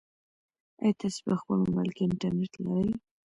ایا تاسي په خپل موبایل کې انټرنيټ لرئ؟